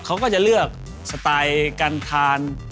เขาก็จะเลือกสไตล์การทาน